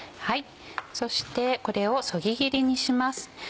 そしてこれをそぎ切りにします。